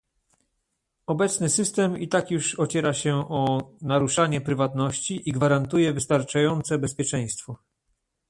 Obecny system i tak już ociera się o naruszanie prywatności i gwarantuje wystarczające bezpieczeństwo